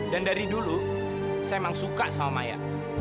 dan dari dulu saya memang suka sama maya